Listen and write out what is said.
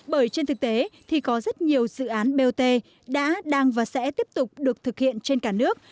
bởi trên thực tế thì có rất nhiều dự án bot đã đang và sẽ tiếp tục được thực hiện trên cả nước